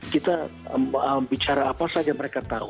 kita bicara apa saja mereka tahu